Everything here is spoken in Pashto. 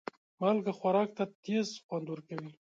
مالګه خوراک ته تیز خوند ورکوي.